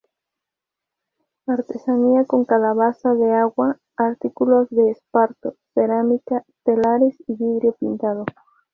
Artesanía con calabaza de agua, artículos de esparto, cerámica, telares y vidrio pintado.